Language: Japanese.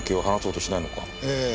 ええ。